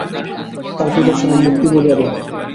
তার পিতা ছিল মূর্তিপূজারী।